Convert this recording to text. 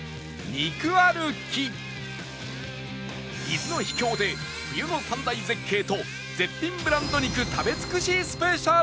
伊豆の秘境で冬の３大絶景と絶品ブランド肉食べ尽くしスペシャル